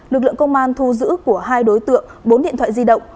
lực lượng công an thu giữ của hai đối tượng bốn điện thoại di động